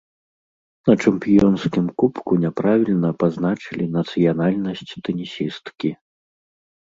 На чэмпіёнскім кубку няправільна пазначылі нацыянальнасць тэнісісткі.